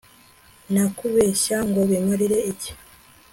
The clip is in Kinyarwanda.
nakubeshya ngo bimarire